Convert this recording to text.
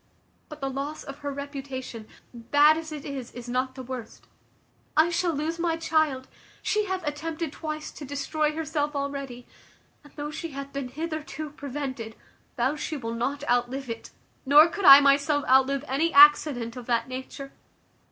But the loss of her reputation, bad as it is, is not the worst; I shall lose my child; she hath attempted twice to destroy herself already; and though she hath been hitherto prevented, vows she will not outlive it; nor could I myself outlive any accident of that nature.